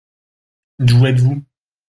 D’où êtes-vous ?